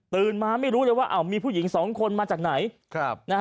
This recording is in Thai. มาไม่รู้เลยว่ามีผู้หญิงสองคนมาจากไหน